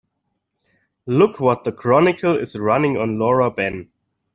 Look what the Chronicle is running on Laura Ben.